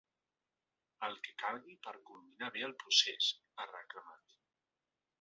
El que calgui per culminar bé el procés, ha reclamat.